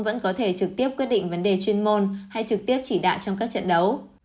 vẫn có thể trực tiếp quyết định vấn đề chuyên môn hay trực tiếp chỉ đạo trong các trận đấu